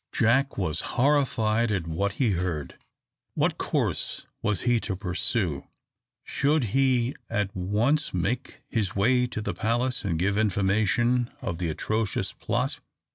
Jack was horrified at what he heard. What course was he to pursue? Should he at once make his way to the palace and give information of the atrocious plot?